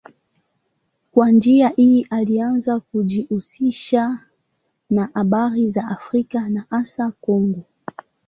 Kwa njia hii alianza kujihusisha na habari za Afrika na hasa Kongo.